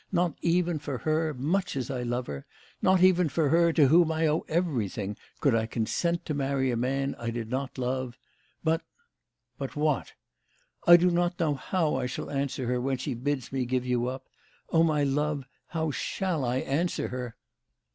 " Not even for her, much as I love her not even for her to whom I owe everything could I consent to marry a man I did not love. But "" But what ?"" I do not know how I shall answer her when she bids me give you up. Ohj^my love, how shall I answer her?"